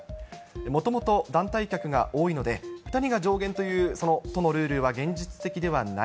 もともと団体客が多いので、２人が上限という都のルールは現実的ではない。